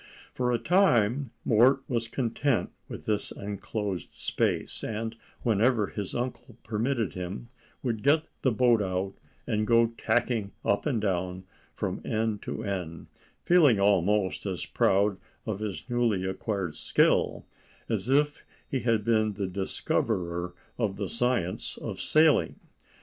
For a time Mort was content with this enclosed space, and, whenever his uncle permitted him, would get the boat out, and go tacking up and down from end to end, feeling almost as proud of his newly acquired skill as if he had been discoverer of the science of sailing.